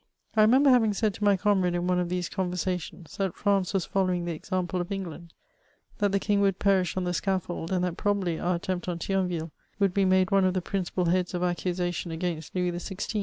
I remember having said to my comrade in one of these conversations, that France was follow ing the example of England, that the king would perish on the scaffold, and that probsdbly our attempt on Thionville would be made one of the principal heads of accusation against Louis XVI.